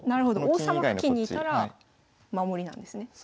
王様付近にいたら守りなんですね。